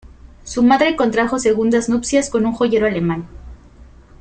Su madre contrajo segundas nupcias con un joyero alemán.